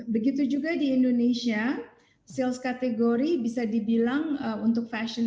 begitu juga di indonesia sales kategori bisa dibilang untuk fashion